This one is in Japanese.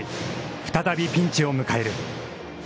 再びピンチを迎える。